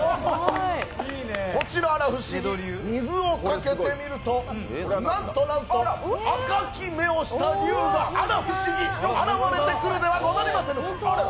こちら不思議、水をかけてみるとなんとなんと赤き目をした龍があら、不思議、現れてくるではござりませぬか。